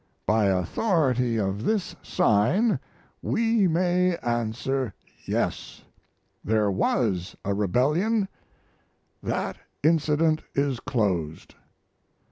By authority of this sign we may answer yes; there was a Rebellion that incident is closed.